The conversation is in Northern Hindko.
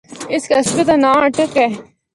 اس قصبے دا ناں اٹک ہے۔